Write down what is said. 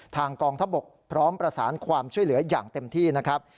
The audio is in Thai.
กองทัพบกพร้อมประสานความช่วยเหลืออย่างเต็มที่นะครับ